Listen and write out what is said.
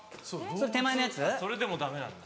それでもダメなんだ。